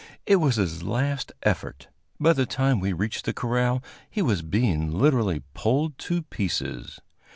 It was his last effort. By the time we reached the corral, he was being literally pulled to pieces.